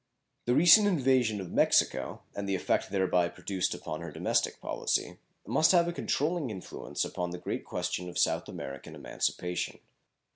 The recent invasion of Mexico, and the effect thereby produced upon her domestic policy, must have a controlling influence upon the great question of South American emancipation.